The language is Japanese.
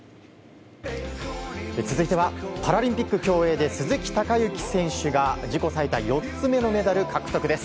続いてはパラリンピック競泳で鈴木孝幸選手が自己最多４つ目のメダル獲得です。